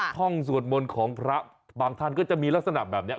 ห้องสวดมนต์ของพระบางท่านก็จะมีลักษณะแบบนี้